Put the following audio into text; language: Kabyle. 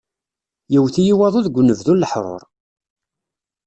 Yewwet-iyi waḍu deg unebdu n leḥrur!